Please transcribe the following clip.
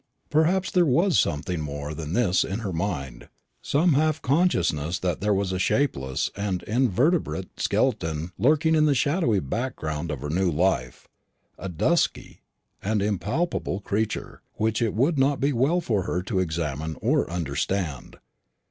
Perhaps there was something more than this in her mind some half consciousness that there was a shapeless and invertebrate skeleton lurking in the shadowy background of her new life, a dusky and impalpable creature which it would not be well for her to examine or understand.